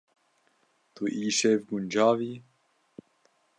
Tu îşev guncav î?